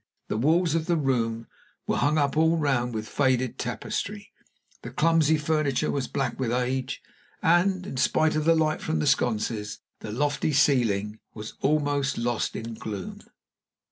The walls of the room were hung all round with faded tapestry; the clumsy furniture was black with age; and, in spite of the light from the sconces, the lofty ceiling was almost lost in gloom.